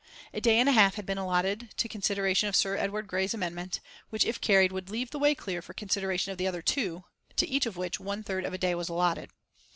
A day and a half had been allotted to consideration of Sir Edward Grey's amendment, which if carried would leave the way clear for consideration of the other two, to each of which one third of a day was allotted.